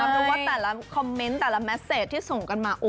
รู้ว่าแต่ละคอมเมนต์แต่ละแมสเซจที่ส่งกันมา